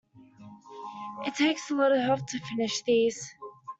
It takes a lot of help to finish these.